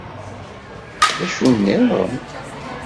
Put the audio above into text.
D acu nniḍen?